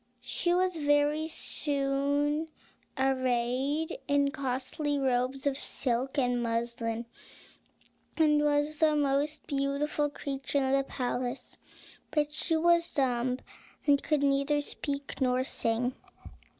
She was very soon arrayed in costly robes of silk and muslin, and was the most beautiful creature in the palace; but she was dumb, and could neither speak nor sing.